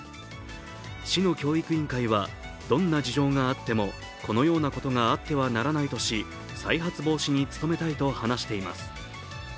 市の教育委員会は、どんな事情があっても、このようなことがあってはならないとし再発防止に努めたいとしています。